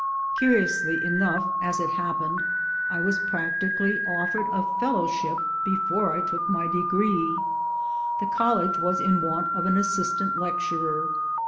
Curiously enough 1 , as it happened, I was prac tically offered a Fellowship before I took my degree. The College was in want of an assistant Lecturer.